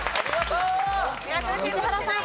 石原さん。